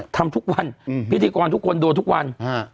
ทำทุกวันอืมพิธีกรทุกคนโดนทุกวัน